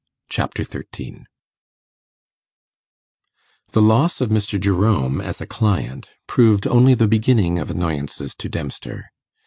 Chapter 13 The loss of Mr. Jerome as a client proved only the beginning of annoyances to Dempster.